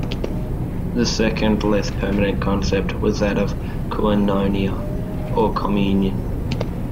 The second, less permanent, concept was that of koinonia or "communion".